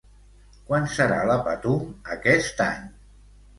Quan serà la Patum aquest any?